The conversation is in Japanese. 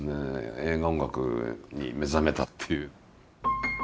映画音楽に目覚めたっていう。